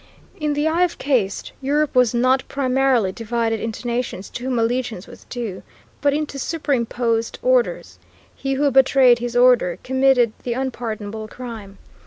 In the eye of caste Europe was not primarily divided into nations to whom allegiance was due, but into superimposed orders. He who betrayed his order committed the unpardonable crime.